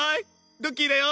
ドッキーだよ！